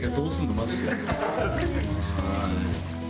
マジで。